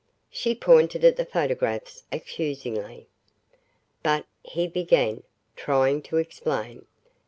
She pointed at the photographs accusingly. "But," he began, trying to explain.